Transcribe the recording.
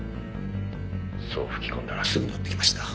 そう吹き込んだらすぐのってきました。